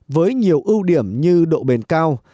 với nhiều ưu điểm như độ bền cao